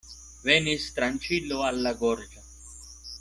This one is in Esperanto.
Venis tranĉilo al la gorĝo.